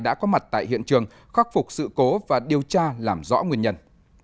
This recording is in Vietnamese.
đã có mặt tại hiện trường khắc phục sự cố và điều tra làm rõ nguyên nhân